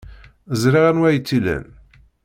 Ẓriɣ anwa ay tt-ilan.